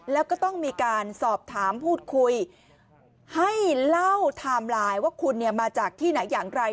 แล้วก็ต้องมีการสอบถามพูดคุยให้เล่าไทม์ไลน์ว่าคุณเนี่ยมาจากที่ไหนอย่างไร